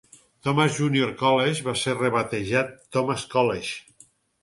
Thomas Junior College va ser rebatejat Thomas College.